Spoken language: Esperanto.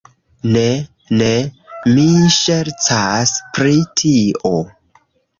Ne, ne, mi ŝercas pri tio